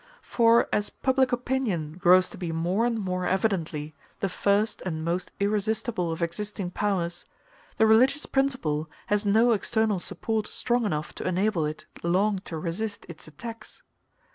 For as public opinion grows to be more and more evidently the first and most irresistible of existing powers, the religious principle has no external support strong enough to enable it long to resist its attacks.